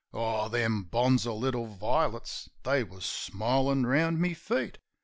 . Aw, them bonzer little vi'lits, they wus smilin' round me feet.